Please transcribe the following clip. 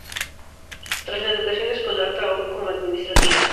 Tras la educación escolar, trabajó como administrativa.